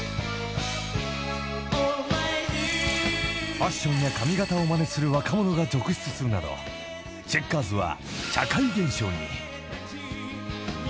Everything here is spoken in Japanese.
［ファッションや髪形をまねする若者が続出するなどチェッカーズは］